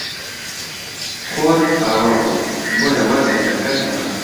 خۆر ئاوا بوو، بۆیە وازیان لە کار هێنا.